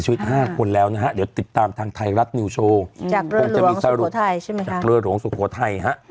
จัดลงจริงค่ะ